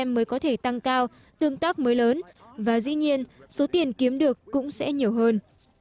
mới có thể tăng cao tương tác mới lớn và dĩ nhiên số tiền kiếm được cũng sẽ nhiều hơn